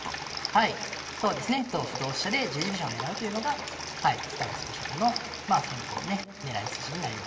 はいそうですね同歩同飛車で十字飛車を狙うというのが塚田スペシャルのまあ戦法のね狙い筋になりますね。